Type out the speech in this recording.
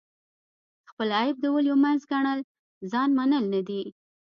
خپل عیب د ولیو منځ ګڼل ځان منل نه دي.